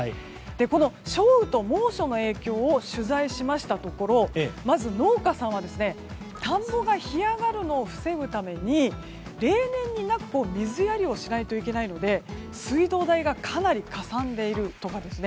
この少雨と猛暑の影響を取材しましたところまず農家さんは田んぼが干上がるのを防ぐために例年になく水やりをしないといけないので水道代がかなり、かさんでいるとかですね